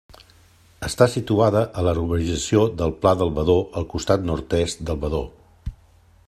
Està situada a la urbanització del Pla del Badó, al costat nord-est del Badó.